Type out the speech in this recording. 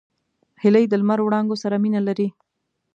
هیلۍ د لمر وړانګو سره مینه لري